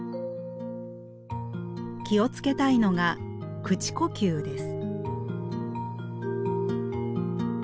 気を付けたいのが口呼吸です。